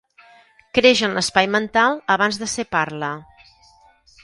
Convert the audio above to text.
Creix en l'espai mental abans de ser parla.